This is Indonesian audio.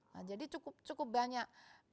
nah jadi cukup banyak